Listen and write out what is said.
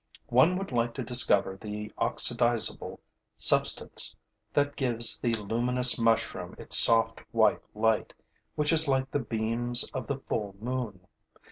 One would like to discover the oxidizable substance that gives the luminous mushroom its soft, white light, which is like the beams of the full moon.